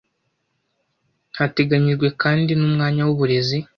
Hateganyijwe kandi n’umwanya w’uburezi